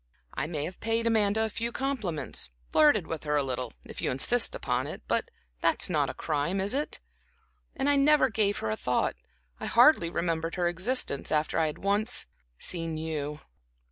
I may have paid Amanda a few compliments, flirted with her a little, if you insist upon it, but that's not a crime, is it? And I never gave her a thought, I hardly remembered her existence, after I had once seen you."